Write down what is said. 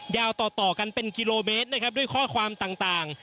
ยาวต่อกันเป็นกิโลเมตรนะครับด้วยข้อความต่าง